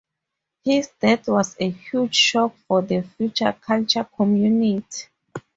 His death was a huge shock for the Future Culture community.